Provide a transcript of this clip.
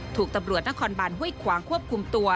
ถูกตำรวจนครบานห้วยขวางควบคุมตัว